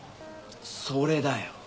それだよ。